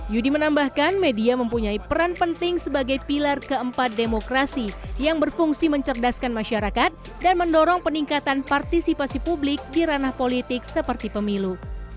yudi menambahkan media mempunyai peran penting sebagai pilar keempat demokrasi yang berfungsi mencerdaskan masyarakat dan mendorong peningkatan partisipasi publik di ranah politik seperti pemilu